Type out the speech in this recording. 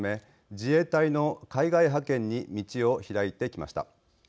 自衛隊の海外派遣に道を開いてきました。